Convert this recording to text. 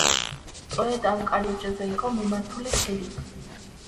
სწორედ ამ კარიბჭეზე იყო მიმართული ხიდი.